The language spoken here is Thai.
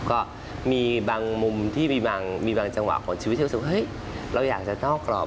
ก็มีบางมุมที่มีบางจังหวะของชีวิตที่รู้สึกว่าเฮ้ยเราอยากจะนอกกรอบ